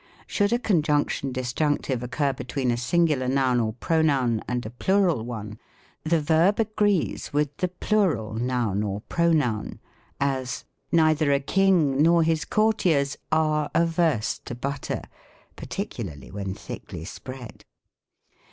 Should a conjunction disjunctive occur between a singular noun or pronoun, and a plural one, the verb agrees with the plural noun or pronoun : as, " Neither a king nor his courtiers are averse to butter :" (partic ularly when thickly spread.)